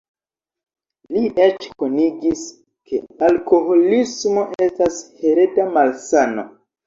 Li eĉ konigis, ke alkoholismo estas hereda malsano.